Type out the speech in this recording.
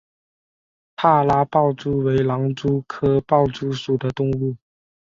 帕拉豹蛛为狼蛛科豹蛛属的动物。